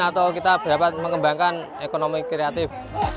atau kita dapat mengembangkan ekonomi kreatif